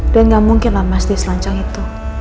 dan gak mungkin lah mas dia selancong itu